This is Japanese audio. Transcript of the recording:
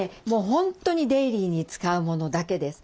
本当にデイリーに使うものだけです。